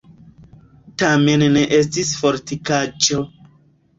Tamen ne estis fortikaĵo.